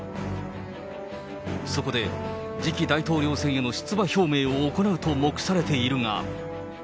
そこで次期大統領選への出馬表明を行うと目されているが。